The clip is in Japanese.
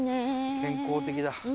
健康的だ。